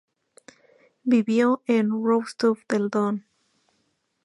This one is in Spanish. Vivió en Rostov del Don.